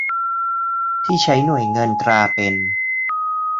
ที่ใช้หน่วยเงินตราเป็น